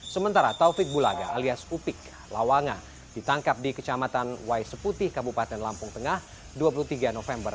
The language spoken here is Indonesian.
sementara taufik bulaga alias upik lawanga ditangkap di kecamatan waiseputi kabupaten lampung tengah dua puluh tiga november dua ribu dua puluh